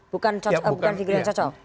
bukan figur yang cocok